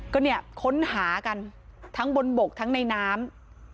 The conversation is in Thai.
ก็เนี่ยค้นหากันทั้งบนบกทั้งในน้ำ